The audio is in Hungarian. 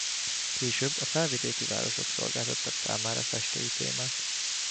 Később a felvidéki városok szolgáltattak számára festői témát.